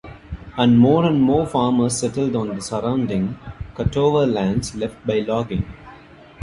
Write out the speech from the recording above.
And more and more farmers settled on the surrounding cut-over lands left by logging.